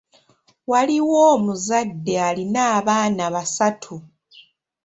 Waaliwo omuzadde alina abaana basaatu.